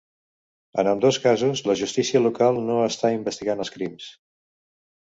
En ambdós casos, la justícia local no està investigant els crims.